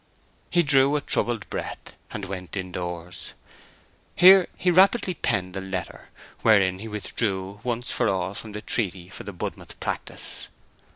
He drew a troubled breath, and went in doors. Here he rapidly penned a letter, wherein he withdrew once for all from the treaty for the Budmouth practice.